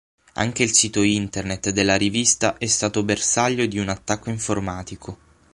Anche il sito internet della rivista è stato bersaglio di un attacco informatico.